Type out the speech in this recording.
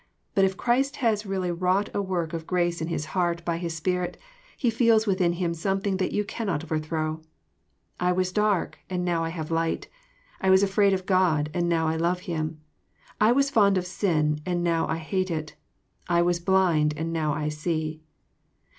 But if Christ has really wrought a work of grace in his heart by His Spirit, he feels within him something that you cannot overthrow, ^^ I was dark, and now I have light. I was afraid of God, and now I love Him. I was fond of sin, and now I hate it. I was blind, and now I see."